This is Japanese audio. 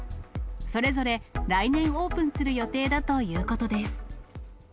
それぞれ来年オープンする予定だということです。